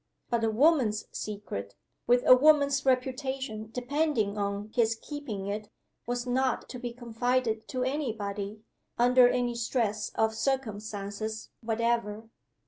But a woman's secret with a woman's reputation depending on his keeping it was not to be confided to any body, under any stress of circumstances whatever.